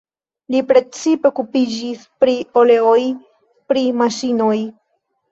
Li precipe okupiĝis pri oleoj pri maŝinoj.